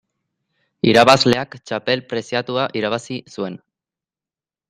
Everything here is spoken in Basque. Irabazleak txapel preziatua irabazi zuen.